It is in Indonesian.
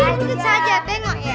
asik saja tengok ya